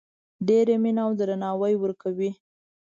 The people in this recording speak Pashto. ډیره مینه او درناوی ورکوي